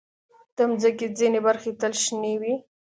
د مځکې ځینې برخې تل شنې وي.